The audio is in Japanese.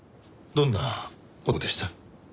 どんな男でした？